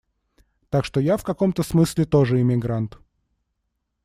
Так что я в каком-то смысле тоже иммигрант.